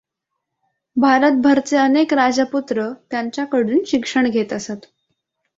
भारतभरचे अनेक राजपुत्र त्यांच्याकडून शिक्षण घेत असत.